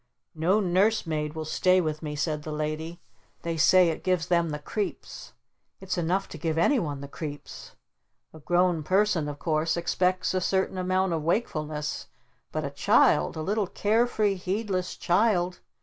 "No Nurse Maid will stay with me," said the Lady. "They say it gives them the creeps. It's enough to give anyone the creeps. A grown person of course expects a certain amount of wakefulness, but a child, a little care free heedless child